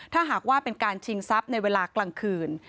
ถ้าหากว่าเป็นการชิงทรัพย์ในเวลากลางคืน